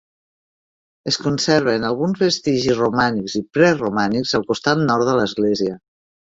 Es conserven alguns vestigis romànics i preromànics al costat nord de l'església.